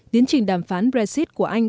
tiến trình đàm phán brexit của anh